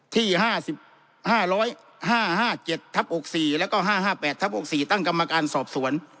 ที่ห้าสิบห้าร้อยห้าห้าเจ็ดทับหกสี่แล้วก็ห้าห้าแปดทับหกสี่ตั้งกรรมการสอบสวน